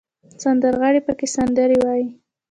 سندرغاړي پکې سندرې وايي.